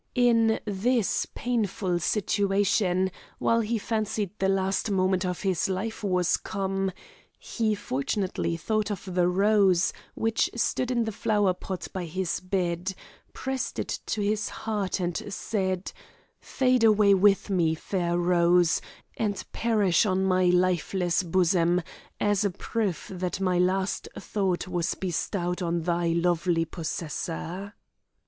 In this painful situation, while he fancied the last moment of his life was come, he fortunately thought of the rose which stood in the flower pot by his bed, pressed it to his heart, and said: "Fade away with me, fair rose, and perish on my lifeless bosom, as a proof that my last thought was bestowed on thy lovely possessor."